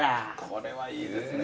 これはいいですね。